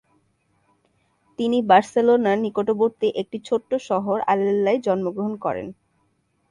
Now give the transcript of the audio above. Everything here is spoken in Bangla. তিনি বার্সেলোনার নিকটবর্তী একটি ছোট শহর আলেল্লায় জন্মগ্রহণ করেন।